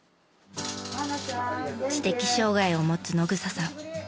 知的障がいを持つ野草さん。